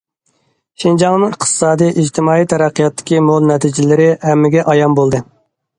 شىنجاڭنىڭ ئىقتىسادىي، ئىجتىمائىي تەرەققىياتتىكى مول نەتىجىلىرى ھەممىگە ئايان بولدى.